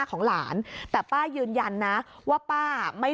คือเราจับหน้าเขาดูสิว่าเรามี